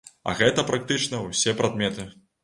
А гэта практычна ўсе прадметы.